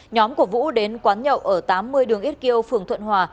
nhóm của vũ đến quán nhậu ở tám mươi đường yết kiêu phường thuận hòa